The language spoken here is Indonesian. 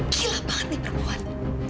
gila banget ini perbuat